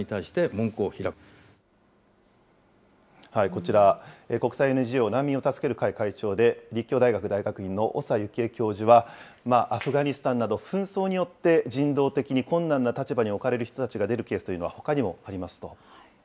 こちら、国際ＮＧＯ難民を助ける会会長で立教大学大学院の長有紀枝教授は、アフガニスタンなど紛争によって人道的に困難な立場に置かれる人たちが出るケースというのはほかにもありますと。